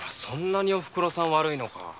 そんなにおふくろさん悪いのか。